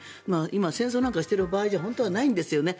今、戦争なんかしている場合じゃ本当はないんですよね。